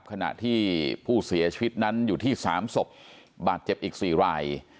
ขณะที่ผู้เสียชีวิตนั้นอยู่ที่๓ศพบาดเจ็บอีก๔ราย